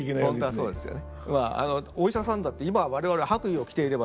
そうですね。